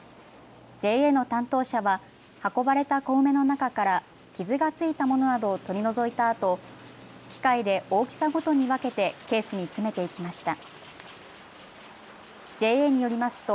ＪＡの担当者は運ばれた小梅の中から傷がついたものなどを取り除いたあと機械で大きさごとに分けてケースに詰めていきました。